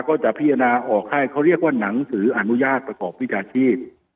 ก็จะพิจารณาออกให้เขาเรียกว่าหนังสืออนุญาตประกอบวิชาชีพ